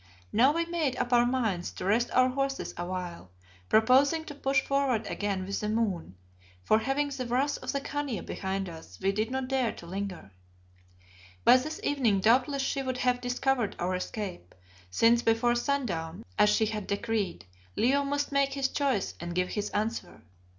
Now we made up our minds to rest our horses awhile, proposing to push forward again with the moon, for having the wrath of the Khania behind us we did not dare to linger. By this evening doubtless she would have discovered our escape, since before sundown, as she had decreed, Leo must make his choice and give his answer.